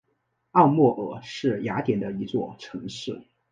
奥莫尔是瑞典的一座城市。